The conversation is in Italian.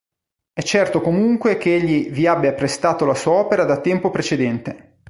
È certo comunque che egli vi abbia prestato la sua opera da tempo precedente.